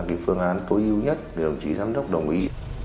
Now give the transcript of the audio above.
địa phương an tối ưu nhất để đồng chí giám đốc đồng ý